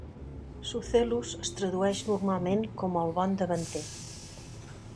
"Sucellus" es tradueix normalment com "el bon davanter".